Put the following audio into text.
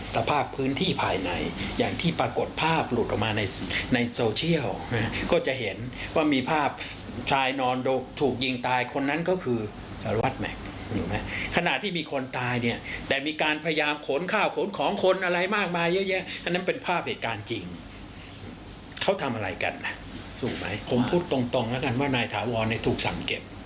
สูงไหมผมพูดตรงแล้วกันว่านายถามว่าอะไรถูกสั่งเก็บ